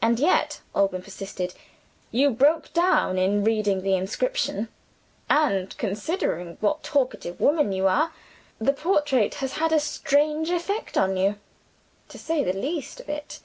"And yet," Alban persisted, "you broke down in reading the inscription: and considering what talkative woman you are, the portrait has had a strange effect on you to say the least of it."